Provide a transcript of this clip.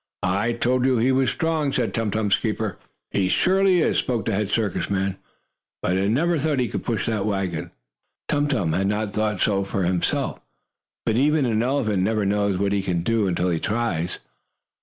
"I told you he was strong," said Tum Tum's keeper. "He surely is," spoke the head circus man. "But I never thought he could push that wagon." Tum Tum had not thought so himself, but even an elephant never knows what he can do until he tries.